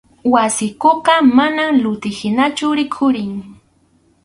Wasiykuqa manam luti hinachu rikhurin.